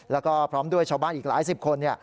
แล้วก็พร้อมด้วยชาวบ้านอีกหลายสิบคน